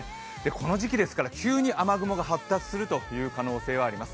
この時期ですから急に雨雲が発達するという可能性はあります。